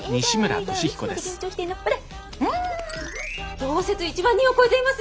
同接１万人を超えています？